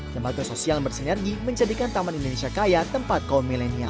lembaga sosial bersinergi menjadikan taman indonesia kaya tempat kaum milenial